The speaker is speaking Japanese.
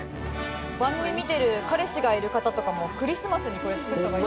「番組見てる彼氏がいる方とかもクリスマスにこれ作った方が」